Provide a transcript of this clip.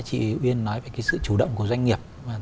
chị uyên nói về cái sự chủ động của doanh nghiệp